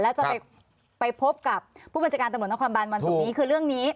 แล้วจะไปพบกับผู้บัญชาการตำรวจนครบานวันศุกร์นี้คือเรื่องนี้